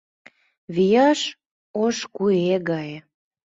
Вияш ош куэ гае.